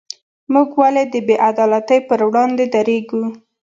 موږ ولې د بې عدالتۍ پر وړاندې دریږو؟